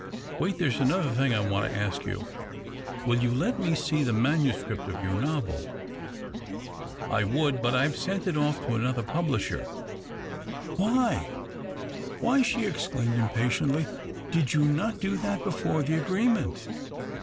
Wait, there is another thing I want to ask you. Will you let me see the manuscript of your novel ?"" I would, but I have sent it off to another publisher." " Why — why," she exclaimed impatiently, " did you not do that before the agreement